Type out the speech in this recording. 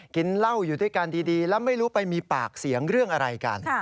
กินเหล้าอยู่ด้วยกันดีแล้วไม่รู้ไปมีปากเสียงเรื่องอะไรกัน